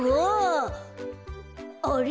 あれ？